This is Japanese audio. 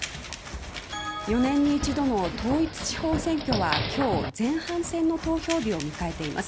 ４年に一度の統一地方選挙は今日前半戦の投票日を迎えています。